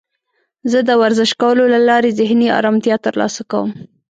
زه د ورزش کولو له لارې ذهني آرامتیا ترلاسه کوم.